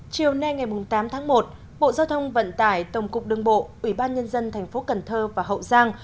chiều nay ngày tám tháng một bộ giao thông vận tải tổng cục đương bộ ủy ban nhân dân tp cn và hậu giang